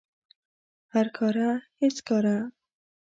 هر کاره هیڅ کاره